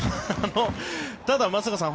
ただ、松坂さん